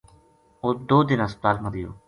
اُت دو دن ہسپتال ما رہیو